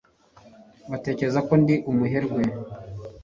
batekereza ko ndi umuherwe